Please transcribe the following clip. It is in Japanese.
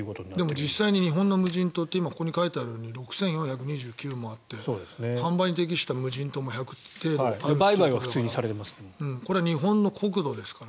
実際に日本の無人島ってここに書いてあるように６４２９もあって販売に適した無人島も１００程度あるっていうことだから。